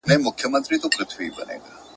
هره ورځ چي وو طبیب له کوره تللی !.